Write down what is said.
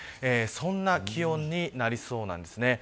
そんな気温になりそうなんです。